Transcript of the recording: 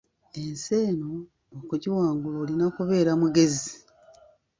Ensi eno okugiwangula olina kubeera mugezi.